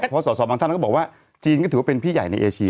เพราะสอสอบางท่านก็บอกว่าจีนก็ถือว่าเป็นพี่ใหญ่ในเอเชีย